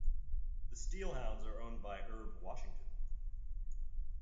The SteelHounds are owned by Herb Washington.